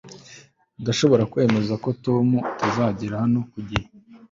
Ndashobora kwemeza ko Tom atazagera hano ku gihe